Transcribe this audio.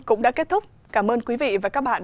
cũng đã kết thúc cảm ơn quý vị và các bạn